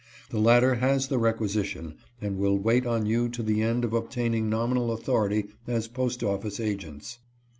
The latter has the requisition, and will wait on you to the end of obtaining nominal authority as post office agents.